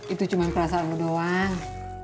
itu cuma perasaan allah doang